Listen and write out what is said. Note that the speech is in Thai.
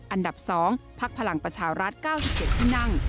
อันดับสองภาคพลังประชาวราช๙๗ที่นั่ง